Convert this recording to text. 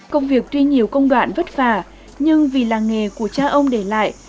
công việc tuy nhiều công đoạn vất vả nhưng vì làng nghề của cha ông để lại